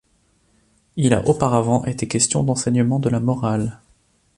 Il a auparavant été question d'enseignement de la morale.